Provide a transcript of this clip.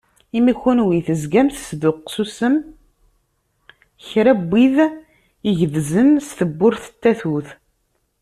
Imi kunwi tezgam tesduqsusem kra n wid igedzen s tewwurt n tatut.